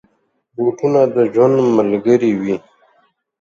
بوټونه د ژوند ملګري وي.